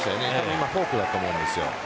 今、フォークだと思うんです。